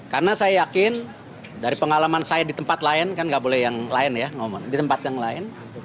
karena saya yakin dari pengalaman saya di tempat yang lain